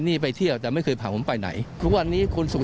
นี่ไปเที่ยวแต่ไม่เคยพาผมไปไหนทุกวันนี้คุณสุข